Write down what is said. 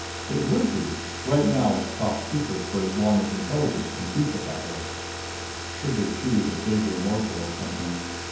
"It would be. Right now it's top secret for as long as Intelligence can keep it that way." Trigger chewed a savory morsel of something.